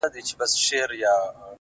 o او ستا د خوب مېلمه به،